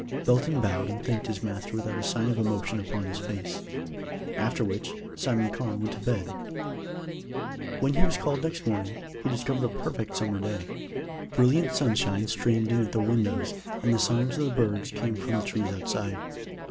Belton bowed and thanked his master without a sign of emotion upon his face. After which Simon Carne went to bed. When he was called next morning, he discovered a perfect summer day. Brilliant sunshine streamed in at the windows, and the songs of the birds came from the trees outside.